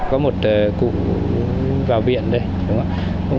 có một cụ vào viện đây đúng không ạ